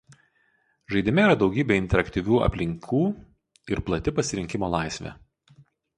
Žaidime yra daugybė interaktyvių aplinkų ir plati pasirinkimo laisvė.